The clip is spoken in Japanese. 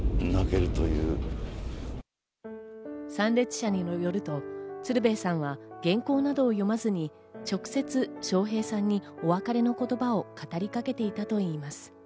参列者によると鶴瓶さんは原稿などを読まずに直接、笑瓶さんにお別れの言葉を語りかけていたといいます。